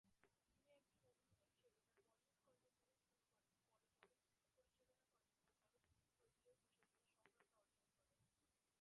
তিনি একজন অভিনেতা হিসেবে তার বলিউড কর্মজীবন শুরু করেন, পরে চলচ্চিত্র পরিচালনা করেন এবং চলচ্চিত্র প্রযোজক হিসেবে সফলতা অর্জন করেন।